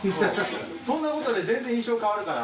そんなことで全然印象変わるから。